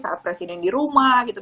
saat presiden di rumah gitu